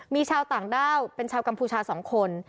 มีชาวต่างด้าวเป็นชาวกัมพูชา๒คน